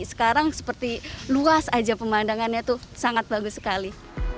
sekarang seperti luas aja pemandangannya tuh sangat bagus sekali